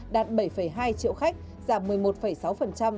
đạt bảy hai triệu khách giảm một mươi một sáu